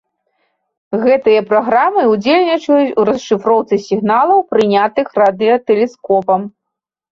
Гэтыя праграмы ўдзельнічаюць у расшыфроўцы сігналаў, прынятых радыётэлескопам.